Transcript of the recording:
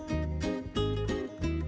nah kita pesen sedikit